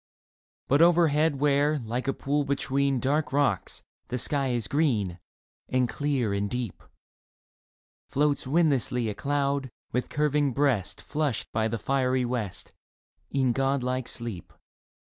But overhead where, like a pool between Dark rocks, the sky is green And clear and deep, Floats windlessly a cloud, with curving breast Flushed by the fiery west, In god like sleep